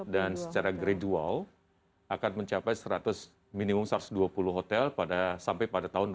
dan secara gradual akan mencapai seratus minimum satu ratus dua puluh hotel sampai pada tahun dua ribu dua puluh lima